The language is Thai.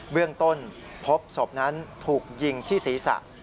เรื่องต้นพบศพนั้นถูกยิงที่ศีรษะ